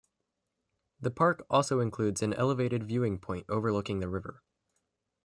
The park also includes an elevated viewing point overlooking the river.